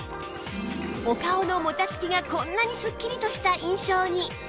お顔のもたつきがこんなにスッキリとした印象に